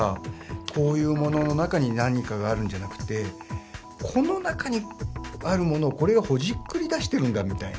こういうものの中に何かがあるんじゃなくてこの中にあるものをこれがほじくり出してるんだみたいな。